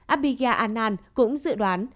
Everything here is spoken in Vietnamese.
abhigya anand cũng dự đoán